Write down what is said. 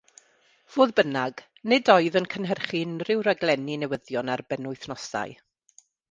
Fodd bynnag, nid oedd yn cynhyrchu unrhyw raglenni newyddion ar benwythnosau.